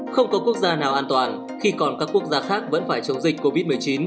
không có quốc gia nào an toàn khi còn các quốc gia khác vẫn phải chống dịch covid một mươi chín